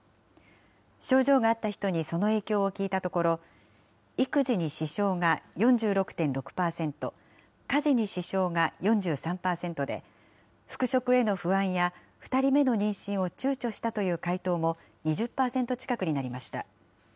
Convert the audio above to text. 症状があった人にその影響を聞いたところ、育児に支障が４６．６％、家事に支障が４３％で、復職への不安や２人目の妊娠をちゅうちょしたという回答も２０％近くになりました。